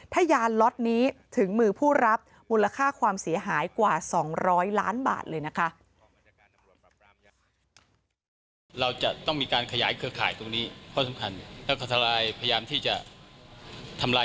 ถ้ายานล็อตนี้ถึงมือผู้รับมูลค่าความเสียหายกว่า๒๐๐ล้านบาทเลยนะคะ